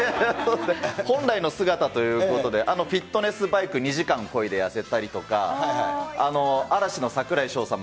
本来の姿ということで、フィットネスバイク２時間こいで痩せたりとか、嵐の櫻井翔さん